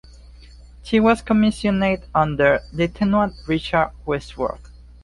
She was commissioned under Lieutenant Richard Whitworth.